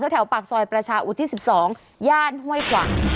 แถวปากซอยประชาอุทิศ๑๒ย่านห้วยขวาง